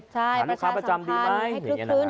หาลูกค้าประจำดีไหม